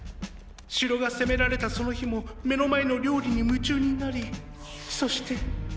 城が攻められたその日も目の前の料理に夢中になりそして！